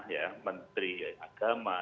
ya menteri agama